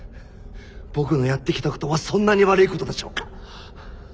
僕のやってきたことはそんなに悪いことでしょうか？